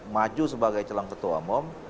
maju sebagai calon ketua umum